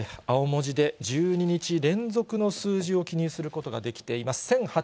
青文字で１２日連続の数字を記入することができています。